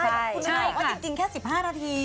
คุณบอกว่าจริงแค่สิบห้านาที